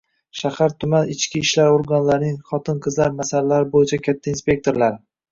Shahar-tuman ichki ishlar organlarining xotin-qizlar masalalari bo'yicha katta inspektorlari